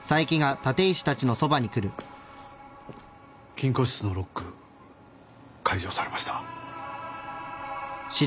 金庫室のロック解除されました。